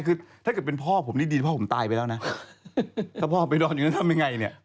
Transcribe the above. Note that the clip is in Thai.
คือถ้าเกิดเป็นพ่อผมนี่ดีพ่อผมตายไปแล้วนะถ้าพ่อไปนอนอย่างนั้นทำยังไงเนี่ย